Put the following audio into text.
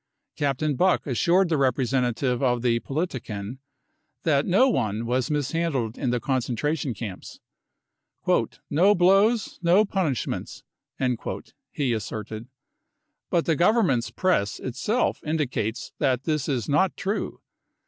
Captain Buck assured the representative of the Politiken that no one was mishandled in the concentration camps. " No blows, no punishments," he asserted. But the Government's Press itself indicates that this is not true.